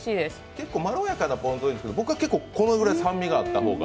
結構まろやかなポン酢もあるけど僕は結構このぐらい酸味があった方が。